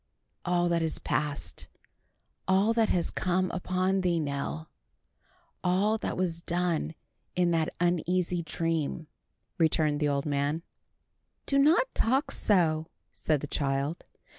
"All that is past, all that has come upon thee, Nell; all that was done in that uneasy dream," returned the old man. "Do not talk so," said the child.